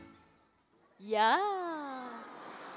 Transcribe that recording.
「やあ」